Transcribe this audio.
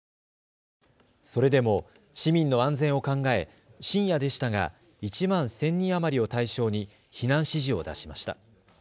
それでも市民の安全を考え深夜でしたが１万１０００人余りを対象に避難指示を出しました。